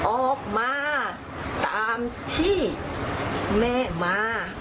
ออกมาตามที่แม่มา